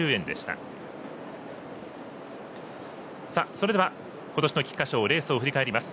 それでは、ことしの菊花賞レースを振り返ります。